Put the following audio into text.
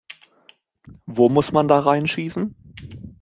Wo muss man da reinschießen?